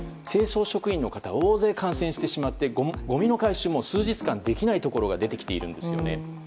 清掃職員の方が大勢感染してしまってごみの回収も数日間できないところが出てきているんです。